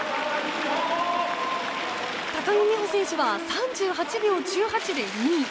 高木美帆選手は３８秒１８で２位。